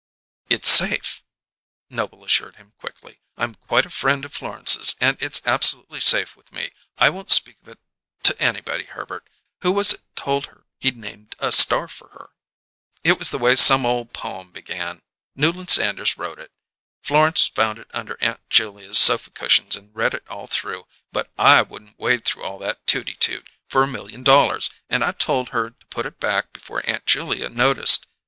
"It's safe," Noble assured him quickly. "I'm quite a friend of Florence's and it's absolutely safe with me. I won't speak of it to anybody, Herbert. Who was it told her he'd named a star for her?" "It was the way some ole poem began. Newland Sanders wrote it. Florence found it under Aunt Julia's sofa cushions and read it all through, but I wouldn't wade through all that tooty tooty for a million dollars, and I told her to put it back before Aunt Julia noticed.